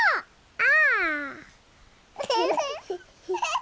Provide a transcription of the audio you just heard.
あ！